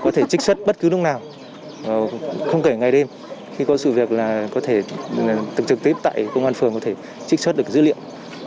có thể trích xuất bất cứ lúc nào không kể ngày đêm khi có sự việc là có thể trực tiếp tại công an phường có thể trích xuất được dữ liệu